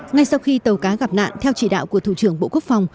ngay sau khi tàu cá gặp nạn theo chỉ đạo của thủ trưởng bộ quốc phòng